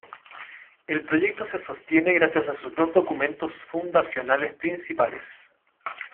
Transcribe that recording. el proyecto se sostiene gracias a sus dos documentos fundacionales principales